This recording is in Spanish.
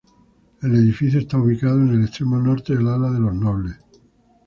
El edificio está ubicado en el extremo norte del ala de los nobles.